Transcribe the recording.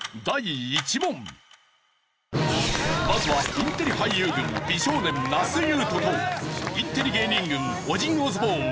まずはインテリ俳優軍美少年那須雄登とインテリ芸人軍オジン